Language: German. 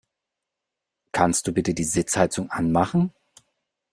Kannst du bitte die Sitzheizung anmachen?